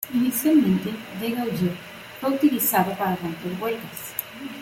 Inicialmente, de Gaulle fue utilizado para romper huelgas.